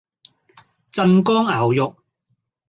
鎮江肴肉